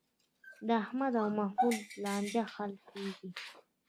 د احمد او محمود لانجه حل کېږي.